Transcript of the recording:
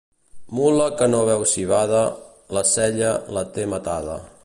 Mula que no veu civada, la sella la té matada.